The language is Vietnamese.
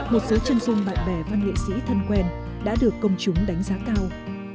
một số chân dung bạn bè văn nghệ sĩ thân quen đã được công chúng đánh giá cao